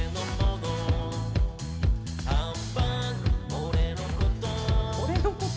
「俺のこと？」